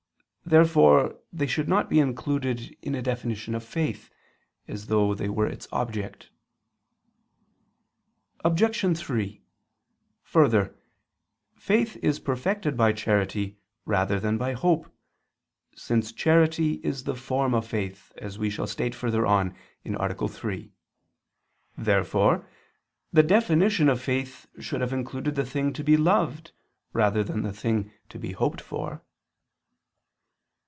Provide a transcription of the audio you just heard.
Therefore they should not be included in a definition of faith, as though they were its object. Obj. 3: Further, faith is perfected by charity rather than by hope, since charity is the form of faith, as we shall state further on (A. 3). Therefore the definition of faith should have included the thing to be loved rather than the thing to be hoped for.